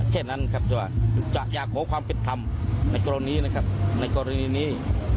แค่นั้นครับจะอยากขอความผิดทำในกรณีนี้นะครับในกรณีนี้